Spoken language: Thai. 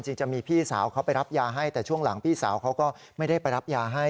จริงจะมีพี่สาวเขาไปรับยาให้แต่ช่วงหลังพี่สาวเขาก็ไม่ได้ไปรับยาให้